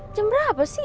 jam berapa sih